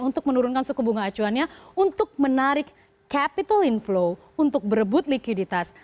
untuk menurunkan suku bunga acuannya untuk menarik capital inflow untuk berebut likuiditas